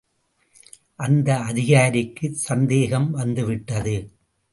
அந்த அதிகாரிக்கு சந்தேகம் வந்துவிட்டது.